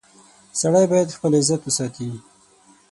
• سړی باید خپل عزت وساتي.